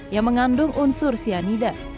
yang mengandung unsur cyanida